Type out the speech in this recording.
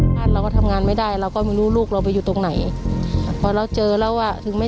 เกิดชาติหน้าสันใดก็ขอให้เกิดมาเกิดเป็นลูกแม่เหมือนเดิม